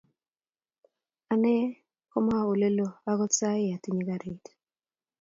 ane komawe olelo ako saii atinye karit